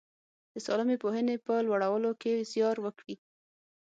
د سالمې پوهنې په لوړولو کې زیار وکړي.